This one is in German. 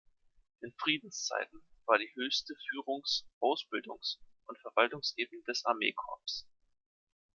In Friedenszeiten war die höchste Führungs-, Ausbildungs- und Verwaltungsebene das Armee-Korps.